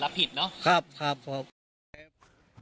ครับครับ